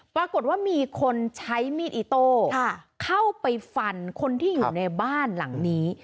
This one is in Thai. ปรากฏว่ามีคนใช้มีดอิโต้เข้าไปฟันคนที่อยู่ในบ้านหลังนี้